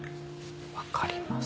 分かります。